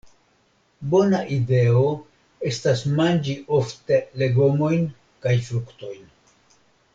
Bona ideo estas manĝi ofte legomojn kaj fruktojn.